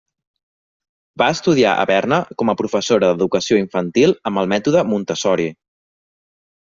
Va estudiar a Berna com a professora d'educació infantil amb el mètode Montessori.